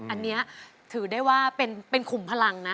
อันนี้ถือได้ว่าเป็นขุมพลังนะ